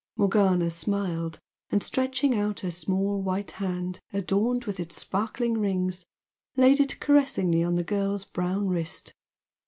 Morgana smiled, and stretching out her small white hand, adorned with its sparkling rings, laid it caressingly on the girl's brown wrist.